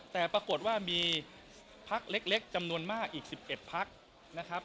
แต่ปรากฏว่ามีพักเล็กจำนวนมากอีก๑๑พักนะครับ